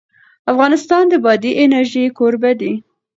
افغانستان د بادي انرژي کوربه دی.